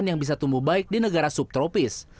yang bisa tumbuh baik di negara subtropis